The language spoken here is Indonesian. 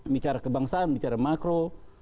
bicara kebangsaan bicara makro